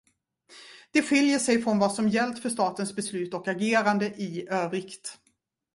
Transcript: Det skiljer sig från vad som gällt för statens beslut och agerande i övrigt.